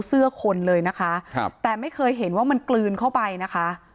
เสื้อคนเลยนะคะครับแต่ไม่เคยเห็นว่ามันกลืนเข้าไปนะคะ